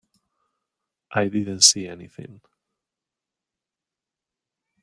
I didn't see anything.